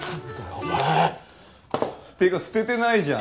お前ッてか捨ててないじゃん